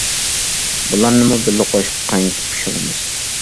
بۇلارنىمۇ بىللە قوشۇپ قاينىتىپ پىشۇرىمىز.